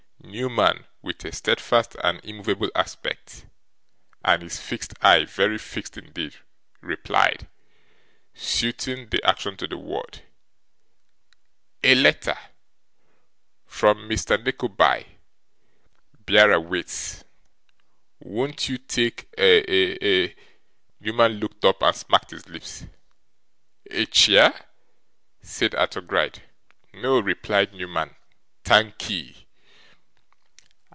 Newman, with a steadfast and immovable aspect, and his fixed eye very fixed indeed, replied, suiting the action to the word, 'A letter. From Mr. Nickleby. Bearer waits.' 'Won't you take a a ' Newman looked up, and smacked his lips. ' A chair?' said Arthur Gride. 'No,' replied Newman. 'Thankee.